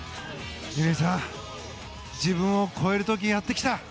乾さん自分を超える時がやってきた。